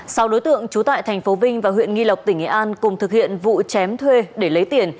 sau đối tượng chú tại tp vinh và huyện nghi lộc tỉnh nghệ an cùng thực hiện vụ chém thuê để lấy tiền